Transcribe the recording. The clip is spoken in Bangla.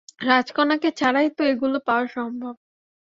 রাজকন্যাকে ছাড়াই তো এগুলো পাওয়া সম্ভব।